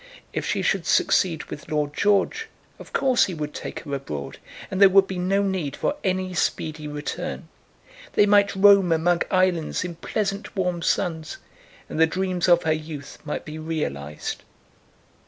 If she should succeed with Lord George, of course he would take her abroad, and there would be no need for any speedy return. They might roam among islands in pleasant warm suns, and the dreams of her youth might be realised.